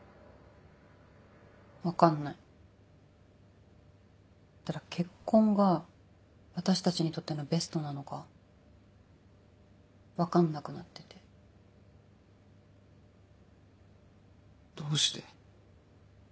分かんないただ結婚が私たちにとってのベストなのか分かんなくなっててどうして？